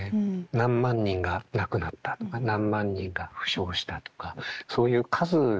何万人が亡くなったとか何万人が負傷したとかそういう数でね